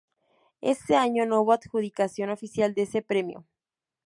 Ese año no hubo adjudicación oficial de ese premio.